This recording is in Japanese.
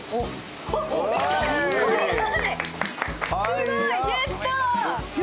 すごい、ゲット！